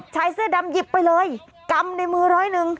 ชายเสื้อดำหยิบไปเลยกำในมือร้อยหนึ่ง